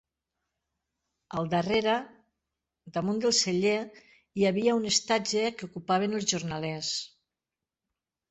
Al darrere, damunt del celler, hi havia un estatge que ocupaven els jornalers.